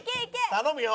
頼むよ。